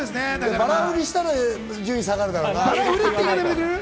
バラ売りしたら順位下がるだろうな。